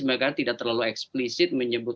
mereka tidak terlalu eksplisit menyebut